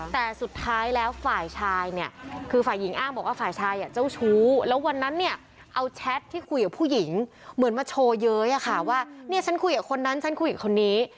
แต่สุดท้ายแล้วฝ่ายชายเนี่ยคือฝ่ายหญิงอ้างบอกว่าฝ่ายชายเจ้าชู้แล้ววันนั้นเนี่ยเอาแชทที่คุยกับผู้หญิงเหมือนมาโชว์เย้ยอะค่ะว่าเนี่ยฉันคุยกับคนนั้นฉันคุยกับคนนี้